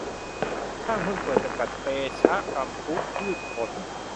ห้างหุ้นส่วนจำกัด เตชะกำพุพืชผล